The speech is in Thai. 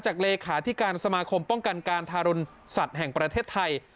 เลขาธิการสมาคมป้องกันการทารุณสัตว์แห่งประเทศไทย